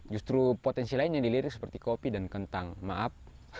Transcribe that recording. justru potensi lainnya dilirik seperti kopi dan kentang maaf